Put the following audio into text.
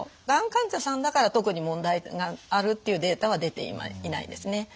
がん患者さんだから特に問題があるっていうデータは出ていないですね。